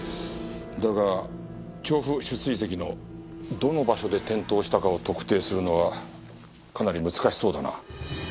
だが調布取水堰のどの場所で転倒したかを特定するのはかなり難しそうだな。